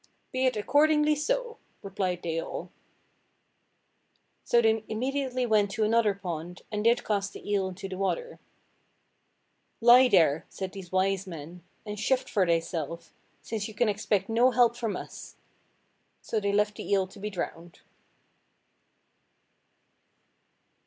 "Be it accordingly so," replied they all. So they immediately went to another pond, and did cast the eel into the water. "Lie there," said these wise men, "and shift for thyself, since you can expect no help from us." So they left the eel to be drowned.